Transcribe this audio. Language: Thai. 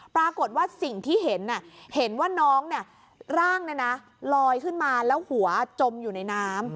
ปรากฏว่าสิ่งที่เห็นเห็นว่าน้องร่างลอยขึ้นมาแล้วหัวจมอยู่ในน้ำ